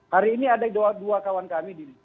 hari ini ada dua kawan kami di